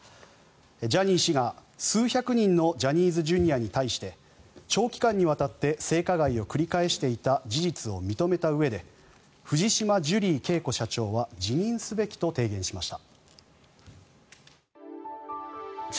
ジャニー氏が数百人のジャニーズＪｒ．に対して長期間にわたって性加害を繰り返していた事実を認めたうえで藤島ジュリー景子社長は辞任すべきと提言しました。